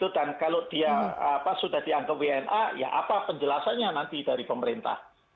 dan kalau dia sudah dianggap wna ya apa penjelasannya nanti dari pemerintah